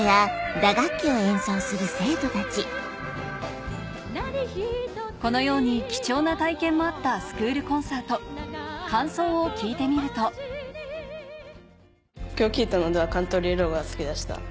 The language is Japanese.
風になりたいこのように貴重な体験もあったスクールコンサート感想を聞いてみると今日聞いたのでは『カントリーロード』が好きでした。